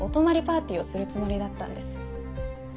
パーティーをするつもりだったんです。